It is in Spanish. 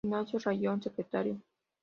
Ignacio Rayón, Secretario.